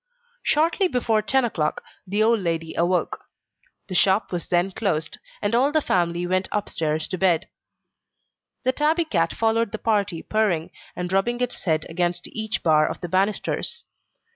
Shortly before ten o'clock, the old lady awoke. The shop was then closed, and all the family went upstairs to bed. The tabby cat followed the party purring, and rubbing its head against each bar of the banisters.